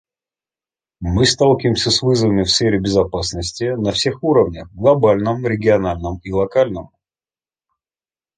Мы сталкиваемся с вызовами в сфере безопасности на всех уровнях — глобальном, региональном и локальном.